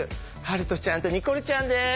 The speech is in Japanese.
遥斗ちゃんとニコルちゃんです。